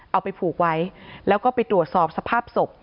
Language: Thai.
เอาไปผูกไว้แล้วก็ไปตรวจสอบสภาพศพ